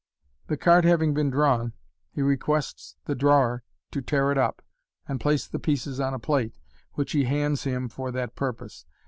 The card having been drawn, he requests the drawer to tear it up, and place the pieces on a plate, which he hands him for that purpose.